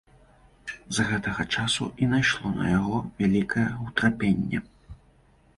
З гэтага часу і найшло на яго вялікае ўтрапенне.